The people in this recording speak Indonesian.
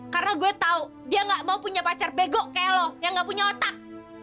karena gue tahu dia nggak mau punya pacar bego kayak lo yang nggak punya otak